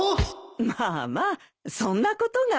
まあまあそんなことが。